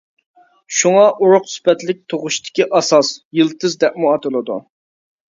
شۇڭا، ئۇرۇق سۈپەتلىك تۇغۇشتىكى ئاساس، يىلتىز دەپمۇ ئاتىلىدۇ.